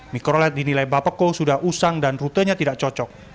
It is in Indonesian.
mikroled dinilai bapak ko sudah usang dan rutenya tidak cocok